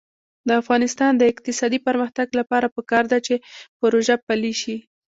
د افغانستان د اقتصادي پرمختګ لپاره پکار ده چې پروژه پلي شي.